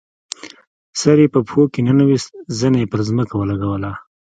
سر یې په پښو کې ننویست، زنه یې پر ځمکه ولګوله.